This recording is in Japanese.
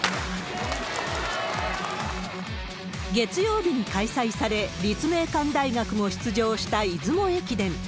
月曜日に開催され、立命館大学も出場した出雲駅伝。